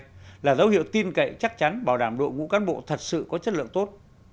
đây là dấu hiệu tin cậy chắc chắn bảo đảm đội ngũ cán bộ thật sự có chất lượng tốt